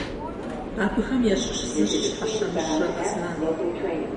Абыхэм ящыщ зыщ Щхьэщэмыщӏ Рэмэзан.